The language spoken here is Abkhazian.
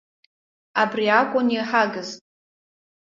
Абри акәын иҳагыз!